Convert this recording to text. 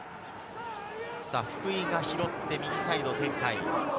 福井が拾って右サイドを展開。